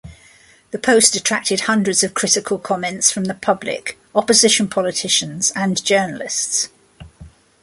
The post attracted hundreds of critical comments from the public, opposition politicians and journalists.